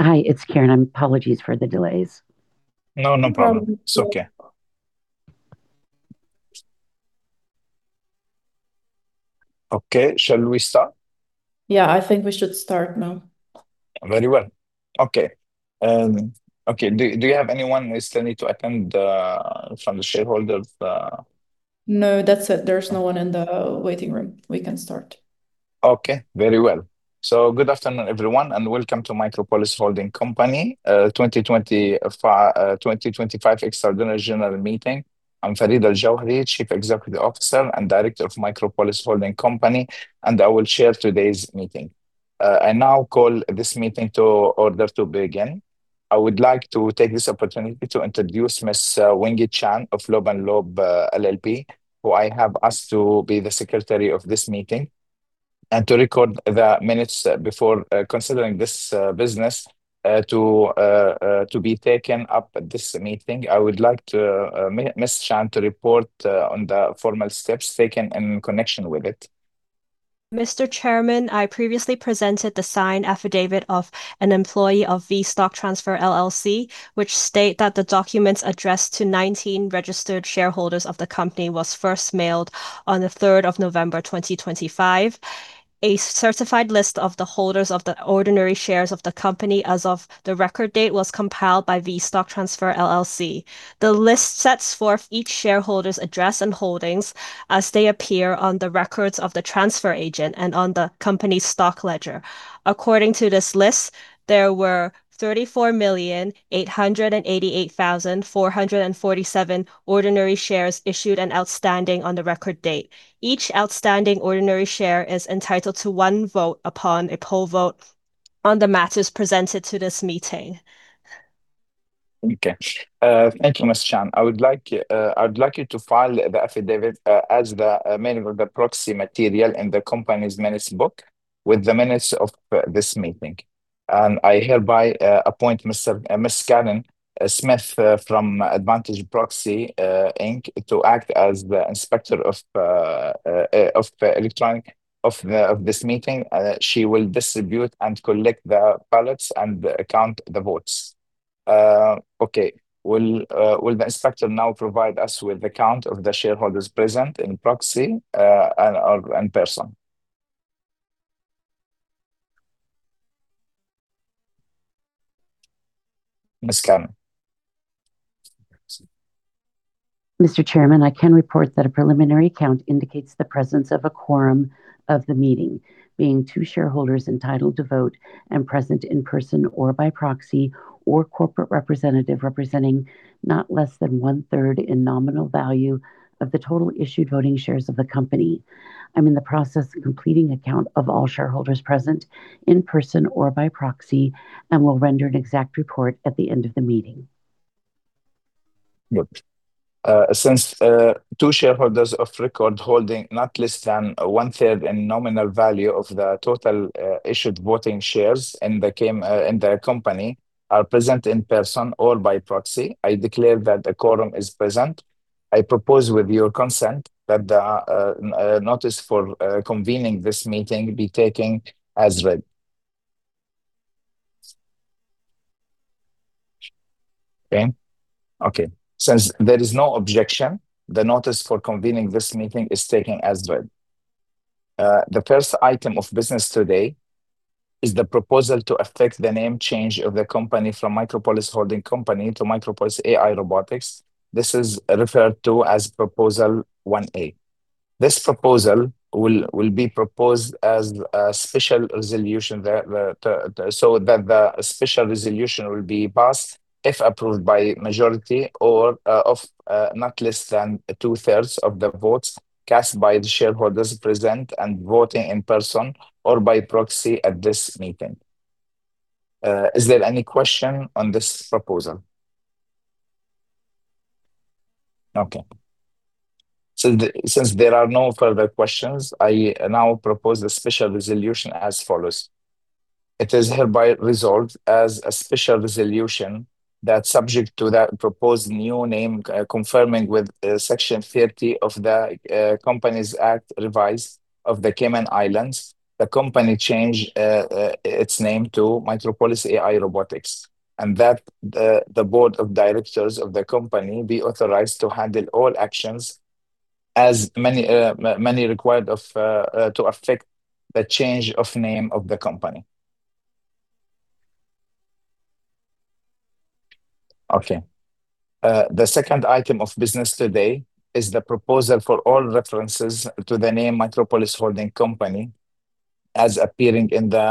Hi, it's Karen. Apologies for the delays. No, no problem. It's okay. Okay. Shall we start? Yeah, I think we should start now. Very well. Okay. Okay. Do you have anyone who still needs to attend from the shareholders? No, that's it. There's no one in the waiting room. We can start. Okay. Very well. Good afternoon, everyone, and welcome to Micropolis Holding Company 2025 Extraordinary General Meeting. I'm Fareed Aljawhari, Chief Executive Officer and Director of Micropolis Holding Company, and I will chair today's meeting. I now call this meeting to order to begin. I would like to take this opportunity to introduce Ms. Wingy Chan of Loeb & Loeb LLP, who I have asked to be the secretary of this meeting and to record the minutes. Before considering this business to be taken up at this meeting, I would like Ms. Chan to report on the formal steps taken in connection with it. Mr. Chairman, I previously presented the signed affidavit of an employee of V-Stock Transfer LLC, which states that the documents addressed to 19 registered shareholders of the company were first mailed on the 3rd of November 2025. A certified list of the holders of the ordinary shares of the company as of the record date was compiled by V-Stock Transfer LLC. The list sets forth each shareholder's address and holdings as they appear on the records of the transfer agent and on the company's stock ledger. According to this list, there were 34,888,447 ordinary shares issued and outstanding on the record date. Each outstanding ordinary share is entitled to one vote upon a poll vote on the matters presented to this meeting. Okay. Thank you, Ms. Chan. I would like you to file the affidavit as the main proxy material in the company's minutes book with the minutes of this meeting. I hereby appoint Ms. Callan Smith from Advantage Proxy Inc. to act as the inspector of election of this meeting. She will distribute and collect the ballots and count the votes. Okay. Will the inspector now provide us with the count of the shareholders present in proxy and in person? Ms. Chan. Mr. Chairman, I can report that a preliminary count indicates the presence of a quorum of the meeting, being two shareholders entitled to vote and present in person or by proxy or corporate representative representing not less than one-third in nominal value of the total issued voting shares of the company. I'm in the process of completing a count of all shareholders present in person or by proxy and will render an exact report at the end of the meeting. Good. Since two shareholders of record holding not less than one-third in nominal value of the total issued voting shares in the company are present in person or by proxy, I declare that the quorum is present. I propose with your consent that the notice for convening this meeting be taken as read. Okay. Okay. Since there is no objection, the notice for convening this meeting is taken as read. The first item of business today is the proposal to affect the name change of the company from Micropolis Holding Company to Micropolis AI Robotics. This is referred to as Proposal 1A. This proposal will be proposed as a special resolution so that the special resolution will be passed if approved by majority or of not less than two-thirds of the votes cast by the shareholders present and voting in person or by proxy at this meeting. Is there any question on this proposal? Okay. Since there are no further questions, I now propose the special resolution as follows. It is hereby resolved as a special resolution that, subject to the proposed new name conforming with Section 30 of the Companies Act Revised of the Cayman Islands, the company change its name to Micropolis AI Robotics, and that the board of directors of the company be authorized to handle all actions as may be required to effect the change of name of the company. Okay. The second item of business today is the proposal for all references to the name Micropolis Holding Company as appearing in the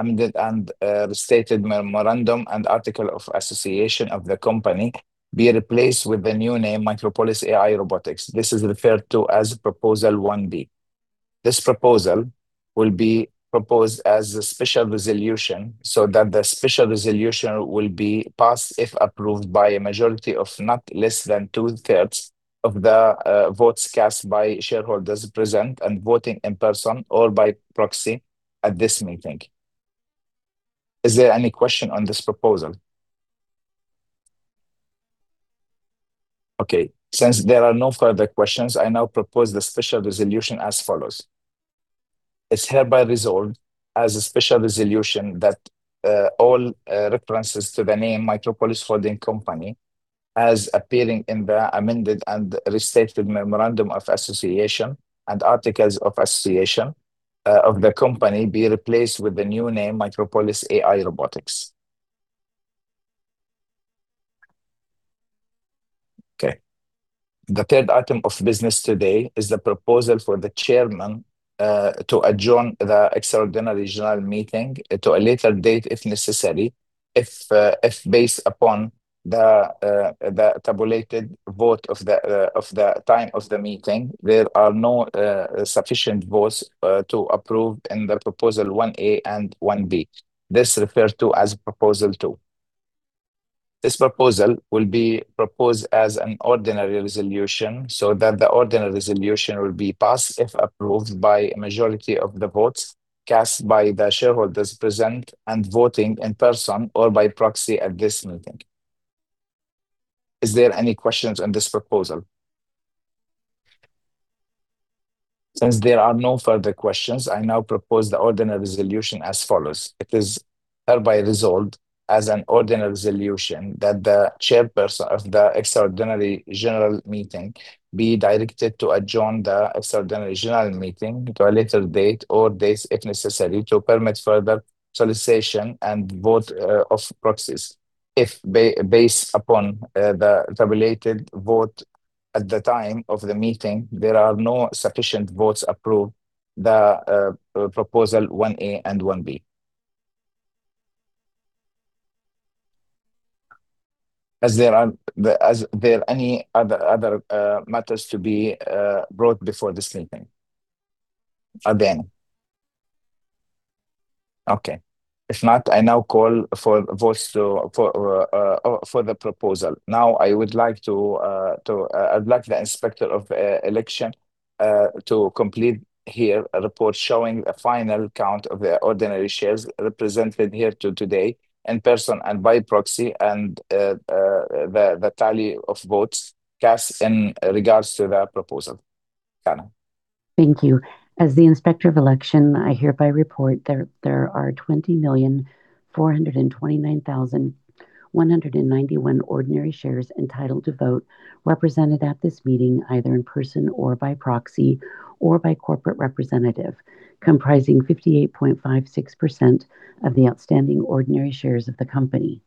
amended and restated memorandum and articles of association of the company be replaced with the new name Micropolis AI Robotics. This is referred to as Proposal 1B. This proposal will be proposed as a special resolution so that the special resolution will be passed if approved by a majority of not less than two-thirds of the votes cast by shareholders present and voting in person or by proxy at this meeting. Is there any question on this proposal? Okay. Since there are no further questions, I now propose the special resolution as follows. It's hereby resolved as a special resolution that all references to the name Micropolis Holding Company as appearing in the amended and restated memorandum of association and articles of association of the company be replaced with the new name Micropolis AI Robotics. Okay. The third item of business today is the proposal for the chairman to adjourn the extraordinary general meeting to a later date if necessary, if based upon the tabulated vote of the time of the meeting. There are no sufficient votes to approve in the Proposal 1A and 1B. This is referred to as Proposal 2. This proposal will be proposed as an ordinary resolution so that the ordinary resolution will be passed if approved by a majority of the votes cast by the shareholders present and voting in person or by proxy at this meeting. Is there any questions on this proposal? Since there are no further questions, I now propose the ordinary resolution as follows. It is hereby resolved as an ordinary resolution that the chairperson of the extraordinary general meeting be directed to adjourn the extraordinary general meeting to a later date or days if necessary to permit further solicitation and vote of proxies. If based upon the tabulated vote at the time of the meeting, there are no sufficient votes approved, the Proposal 1A and 1B. Is there any other matters to be brought before this meeting? Again? Okay. If not, I now call for the proposal. Now, I would like the inspector of election to complete here a report showing the final count of the ordinary shares represented here today in person and by proxy and the tally of votes cast in regards to the proposal. Thank you. As the inspector of election, I hereby report that there are 20,429,191 ordinary shares entitled to vote represented at this meeting either in person or by proxy or by corporate representative, comprising 58.56% of the outstanding ordinary shares of the company.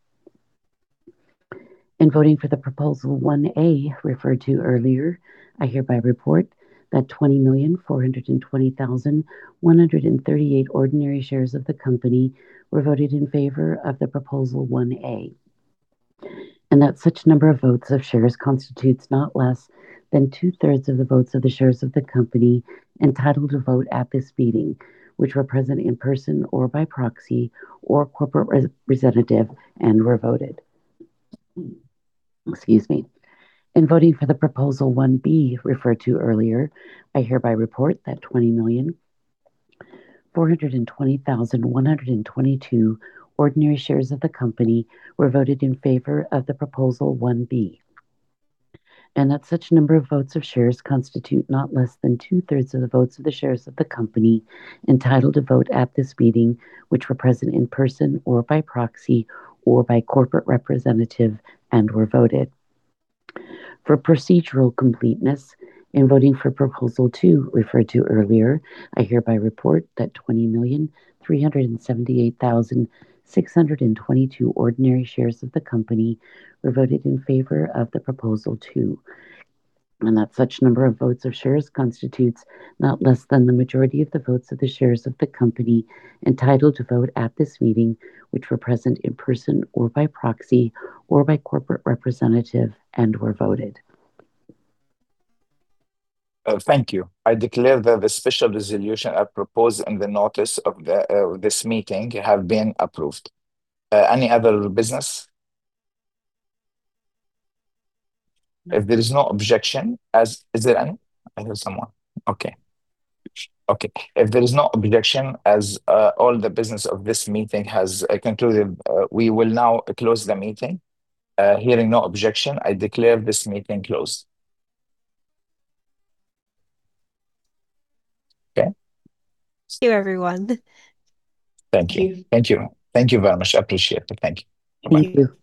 In voting for the Proposal 1A referred to earlier, I hereby report that 20,420,138 ordinary shares of the company were voted in favor of the Proposal 1A. That number of votes of shares constitutes not less than two-thirds of the votes of the shares of the company entitled to vote at this meeting, which were present in person or by proxy or corporate representative and were voted. Excuse me. In voting for the Proposal 1B referred to earlier, I hereby report that 20,420,122 ordinary shares of the company were voted in favor of the Proposal 1B. That such number of votes of shares constitute not less than two-thirds of the votes of the shares of the company entitled to vote at this meeting, which were present in person or by proxy or by corporate representative and were voted. For procedural completeness, in voting for Proposal 2 referred to earlier, I hereby report that 20,378,622 ordinary shares of the company were voted in favor of Proposal 2. That such number of votes of shares constitutes not less than the majority of the votes of the shares of the company entitled to vote at this meeting, which were present in person or by proxy or by corporate representative and were voted. Thank you. I declare that the special resolution I proposed in the notice of this meeting has been approved. Any other business? If there is no objection, as is there any? I hear someone. Okay. Okay. If there is no objection, as all the business of this meeting has concluded, we will now close the meeting. Hearing no objection, I declare this meeting closed. Okay. Thank you, everyone. Thank you. Thank you very much. I appreciate it. Thank you. Thank you.